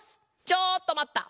ちょっとまった！